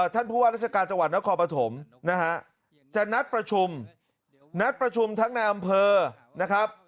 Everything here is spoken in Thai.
ท่านผู้ว่าราชการจังหวัดนครปฐมนะฮะจะนัดประชุมนัดประชุมทั้งในอำเภอนะครับ